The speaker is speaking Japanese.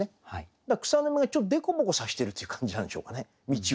だから草の芽がちょっと凸凹さしてるという感じなんでしょうかね径を。